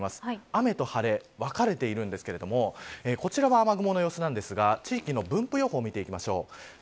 雨と晴れ、分かれているんですがこちらが雨雲の様子なんですが地域の分布予報を見ていきましょう。